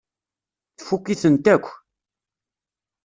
Tfukk-itent akk.